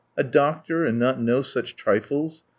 A doctor, and not know such trifles!